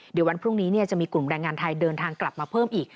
เดี๋ยววันพรุ่งนี้จะมีกลุ่มแรงงานไทยเดินทางกลับมาเพิ่มอีก